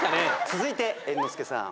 続いて猿之助さん。